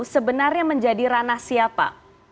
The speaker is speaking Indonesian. sebenarnya menjadi ranah siapa